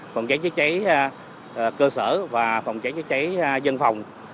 phòng trái chữa trái cơ sở và phòng trái chữa trái dân phòng